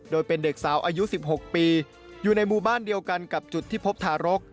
โดยเป็นเด็กสาวอายุ๑๖ปีอยู่ในหมู่บ้านเดียวกันกับจุดที่พบทารก